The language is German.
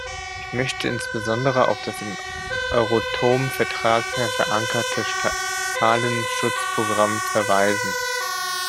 Ich möchte insbesondere auf das im Euratom-Vertrag verankerte Strahlenschutzprogramm verweisen.